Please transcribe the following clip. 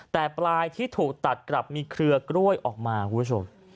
แต่ปลายที่ถูกตัดกลับมีเครือกล้วยออกมาคุณผู้ชม